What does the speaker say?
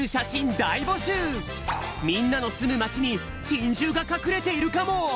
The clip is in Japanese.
みんなのすむまちにちんじゅうがかくれているかも！